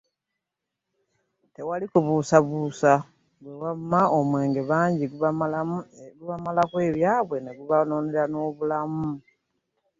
Tewali kubuusabuusa gwe wamma omwenge bangi gubamalako ebyabwe ne guboonoonera n'obulamu.